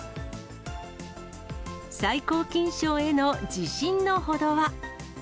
最高金賞への自信のほどは。